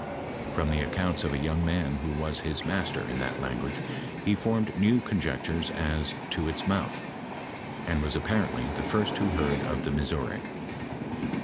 From the accounts of a young man who was his master in that language, he formed new conjectures as to its mouth, and was apparently the firet who heard of the Missouri.